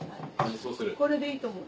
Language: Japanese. これでいいと思う。